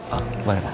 oh boleh pak